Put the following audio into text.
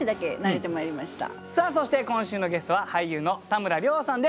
さあそして今週のゲストは俳優の田村亮さんです。